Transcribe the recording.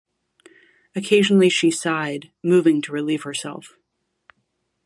Occasionally she sighed, moving to relieve herself.